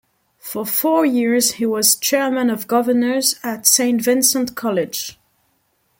For four years he was chairman of governors at Saint Vincent College.